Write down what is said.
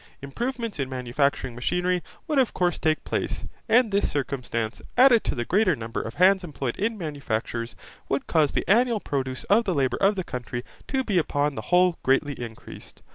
Improvements in manufacturing machinery would of course take place, and this circumstance, added to the greater number of hands employed in manufactures, would cause the annual produce of the labour of the country to be upon the whole greatly increased.